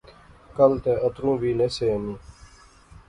کل تے اتروں وی نہسے اینی